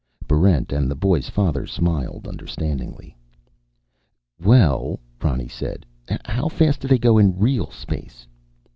Barrent and the boy's father smiled understandingly. "Well," Ronny said, "how fast do they go in real space?"